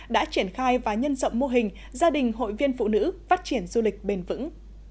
đã triển khai và nhân rộng mô hình gia đình hội viên phụ nữ phát triển du lịch bền vững